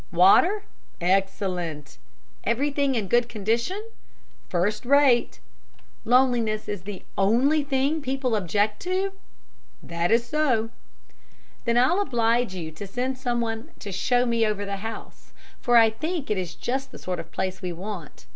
"Water?" "Excellent." "Everything in good condition?" "First rate." "Loneliness the only thing people object to?" "That is so." "Then I'll oblige you to send someone to show me over the house, for I think it is just the sort of place we want.